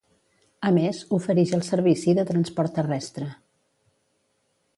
A més, oferix el servici de transport terrestre.